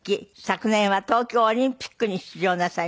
昨年は東京オリンピックに出場なさいました。